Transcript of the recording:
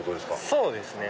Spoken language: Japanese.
そうですね